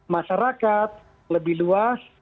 masyarakat lebih luas